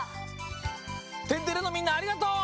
「天てれ」のみんなありがとう！